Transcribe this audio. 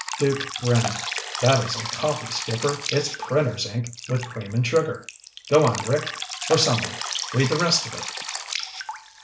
Duke grinned. "That isn't coffee, skipper. It's printer's ink with cream and sugar. Go on, Rick, or someone. Read the rest of it."